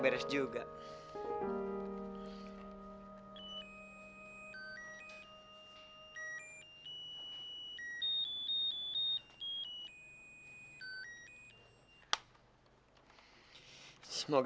iya dilamarin dijadikan sy beginpun